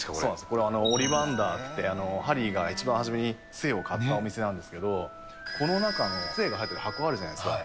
これ、オリバンダーって、ハリーが一番初めにつえを買ったお店なんですけど、この中のつえが入ってる箱あるじゃないですか。